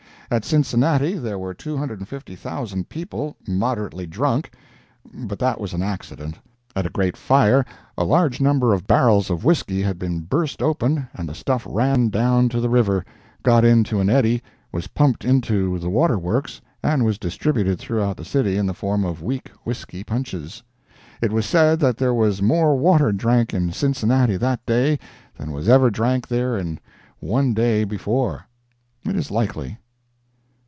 At Cincinnati there were 250,000 people moderately drunk, but that was an accident. At a great fire, a large number of barrels of whiskey had been bursted open, and the stuff ran down to the river, got into an eddy, was pumped into the water works and was distributed throughout the city in the form of weak whiskey punches. It was said that there was more water drank in Cincinnati that day than was ever drank there in one day before. It is likely.